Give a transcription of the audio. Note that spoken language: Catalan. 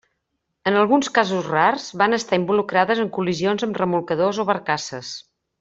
En alguns casos rars, van estar involucrades en col·lisions amb remolcadors o barcasses.